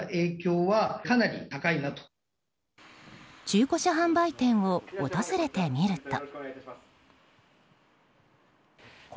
中古車販売店を訪れてみると。